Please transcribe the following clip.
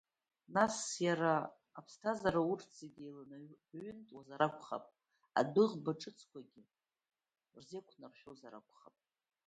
Нас иара аԥсҭазаара урҭ зегьы еиланарҩынтуазар акәхап, адәыӷба ҿыцқәагьы рзеиқәнаршәозар акәхап.